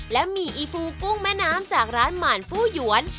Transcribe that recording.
และมี่อีฟูกุ้งแม่น้ำจากร้านหมานฟู้หยวน